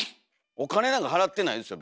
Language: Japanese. お金なんか払ってないですよ